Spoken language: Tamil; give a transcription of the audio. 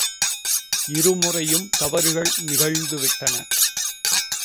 இருமுறையும் தவறுகள் நிகழ்ந்துவிட்டன.